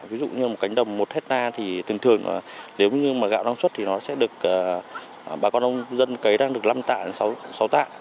ví dụ như một cánh đồng một hectare thì thường thường nếu như gạo nông xuất thì nó sẽ được bà con nông dân cấy ra được năm tạ sáu tạ